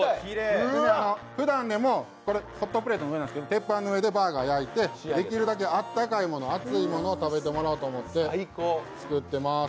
ふだんね、ホットプレートじゃないんですけど鉄板の上でバーガーを焼いてできるだけあったかいものを食べていただこうと思って作ってます。